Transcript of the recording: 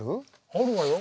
あるわよ。